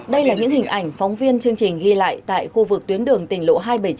đây là những hình ảnh phóng viên chương trình ghi lại tại khu vực tuyến đường tỉnh lộ hai trăm bảy mươi chín